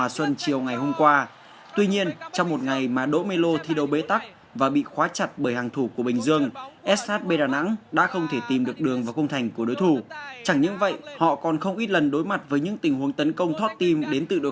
xin chào và hẹn gặp lại trong các video tiếp theo